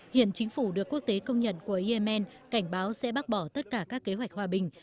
hiện chính phủ được quốc tế công nhận của yemen cảnh báo sẽ bác bỏ tất cả các kế hoạch hòa bình